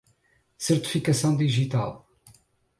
Certificação digital